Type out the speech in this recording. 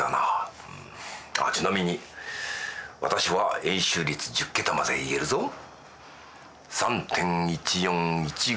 ああちなみに私は円周率１０桁まで言えるぞ。